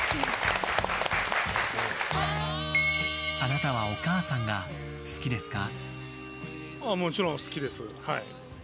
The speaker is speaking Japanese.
あなたはお母さんが好きですか？